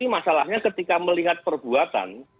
masalahnya ketika melihat perbuatan